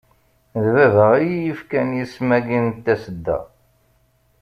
D baba iyi-ifkan isem-agi n Tasedda.